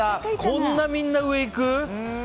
こんなみんな上いく？